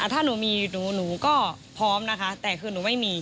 ถ้าหนูมีหนูก็พร้อมนะคะแต่คือหนูไม่มี